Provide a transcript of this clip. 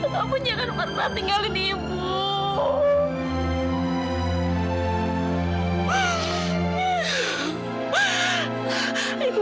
kamu jangan pernah tinggalin ibu